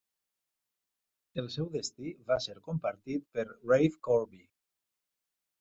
El seu destí va ser compartit per Ralph Corby.